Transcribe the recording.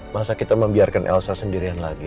masa kita membiarkan elsa sendirian lagi